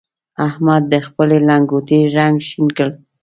احمد د خپلې لنګوټې رنګ شين کړ.